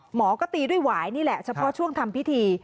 หมอก็ตีด้วยหวายนี่แหละเฉพาะช่วงทำพิธี